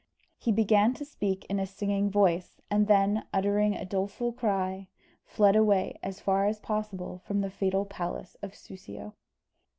He began to speak in a singing voice, and then uttering a doleful cry, fled away as far as possible from the fatal palace of Soussio.